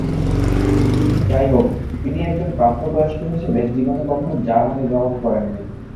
যাইহোক, তিনি একজন প্রাপ্ত বয়স্ক হিসাবে জীবনে কখনও জার্মানি ভ্রমণ করেন নি।